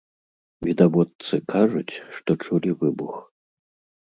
Відавочцы кажуць, што чулі выбух.